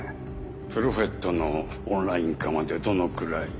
プロフェットのオンライン化までどのくらい？